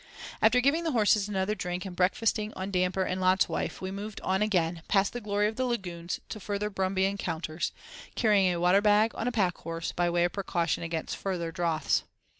After giving the horses another drink, and breakfasting on damper and "Lot's wife," we moved on again, past the glory of the lagoons, to further brumby encounters, carrying a water bag on a pack horse by way of precaution against further "drouths."